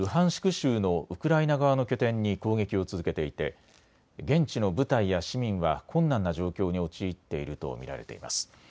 州のウクライナ側の拠点に攻撃を続けていて現地の部隊や市民は困難な状況に陥っていると見られています。